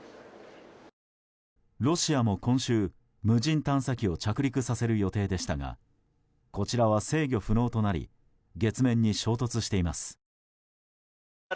ロシアも今週、無人探査機を着陸させる予定でしたがこちらは制御不能となり月面に衝突しています。